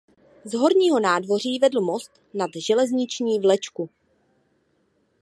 Z horního nádvoří vedl most nad železniční vlečku.